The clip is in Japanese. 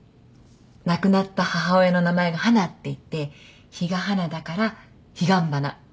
亡くなった母親の名前が花っていって比嘉花だからヒガンバナ。